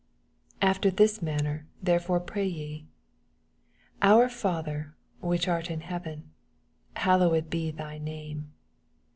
9 After this manner therefore pray je : Cor Father which art in heaven, Hallowed be thy name.